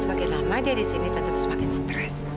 semakin lama dia disini tante terus makin stres